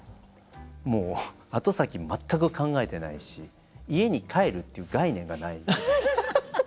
もう後先全く考えてないし家に帰るっていう概念がない。